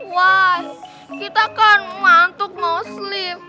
wah kita kan ngantuk mau sleep